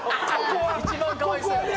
一番かわいそうやな。